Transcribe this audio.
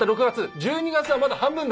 １２月はまだ半分だ。